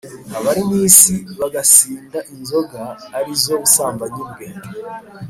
abari mu isi bagasinda inzoga ari zo busambanyi bwe.